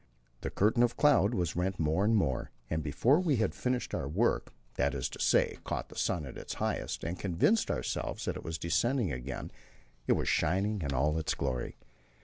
The curtain of cloud was rent more and more, and before we had finished our work that is to say, caught the sun at its highest, and convinced ourselves that it was descending again it was shining in all its glory.